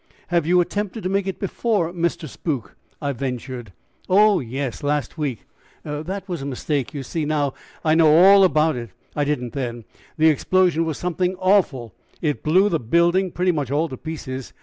"Have you attempted to make it before, Mr. Spook?" I ventured. "Oh, yes, last week; that was a mistake you see now I know all about it, I didn't then; the explosion was something awful it blew the building pretty much all to pieces.